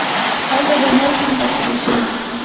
هلته به نور هم تشرېح شي.